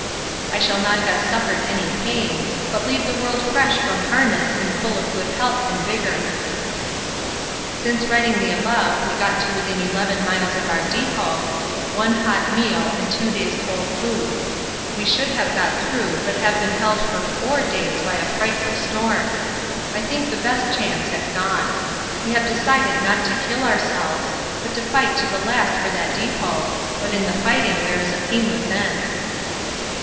I shall not have suffered any pain, but leave the world fresh from harness and full of good health and vigour. Since writing the above we got to within 11 miles of our depot, with one hot meal and two days' cold food. We should have got through but have been held for four days by a frightful storm. I think the best chance has gone. We have decided not to kill ourselves, but to fight to the last for that depôt, but in the fighting there is a painless end.